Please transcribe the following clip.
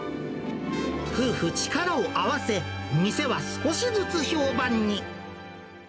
夫婦力を合わせ、店は少しずつ評判に。